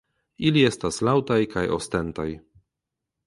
Ili estas laŭtaj kaj ostentaj.